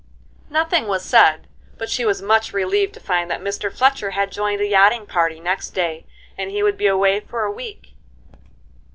Nothing was said, but she was much relieved to find that Mr. Fletcher had joined a yachting party next day and he would be away for a week.